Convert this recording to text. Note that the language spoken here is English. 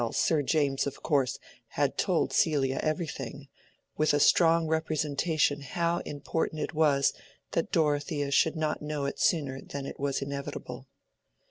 Sir James, of course, had told Celia everything, with a strong representation how important it was that Dorothea should not know it sooner than was inevitable.